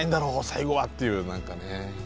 最後は」っていう何かね。